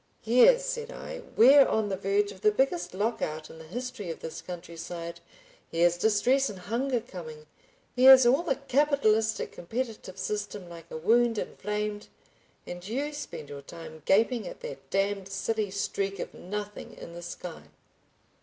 "Here," said I. "We're on the verge of the biggest lock out in the history of this countryside; here's distress and hunger coming, here's all the capitalistic competitive system like a wound inflamed, and you spend your time gaping at that damned silly streak of nothing in the sky!"